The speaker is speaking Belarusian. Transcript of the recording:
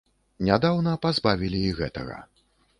Нядаўна пазбавілі і гэтага.